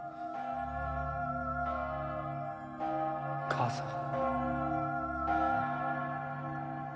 母さん。